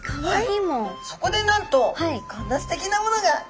そこでなんとこんなすてきなものが。